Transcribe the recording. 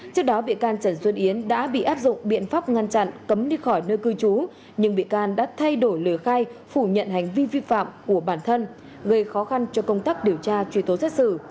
trước đó bị can trần xuân yến đã bị áp dụng biện pháp ngăn chặn cấm đi khỏi nơi cư trú nhưng bị can đã thay đổi lời khai phủ nhận hành vi vi phạm của bản thân gây khó khăn cho công tác điều tra truy tố xét xử